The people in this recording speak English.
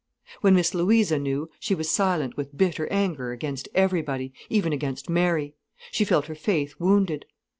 When Miss Louisa knew, she was silent with bitter anger against everybody, even against Mary. She felt her faith wounded.